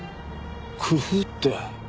工夫って。